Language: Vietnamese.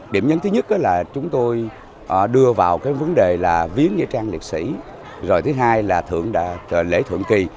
điểm nhấn thứ nhất là chúng tôi đưa vào cái vấn đề là viếng nghĩa trang liệt sĩ rồi thứ hai là thượng lễ thượng kỳ